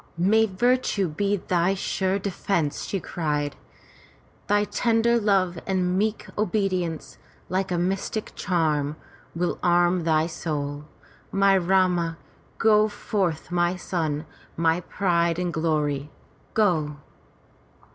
"May virtue be thy sure defence!" she cried. "Thy tender love and meek obedience, like a mystic charm, will arm thy soul, my Rama! Go forth my son, my pride and glory, go!"